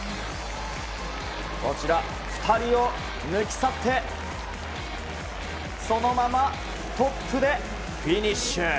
こちら、２人を抜き去ってそのままトップでフィニッシュ。